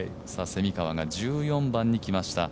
蝉川が１４番に来ました。